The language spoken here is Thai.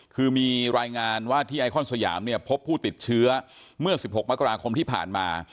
คือมีรายงานว่าที่ไอคอนสยามเนี่ยพบผู้ติดเชื้อเมื่อ๑๖มกราคมที่ผ่านมา